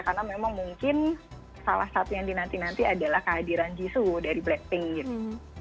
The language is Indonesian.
karena memang mungkin salah satu yang dinanti nanti adalah kehadiran jisoo dari blackpink gitu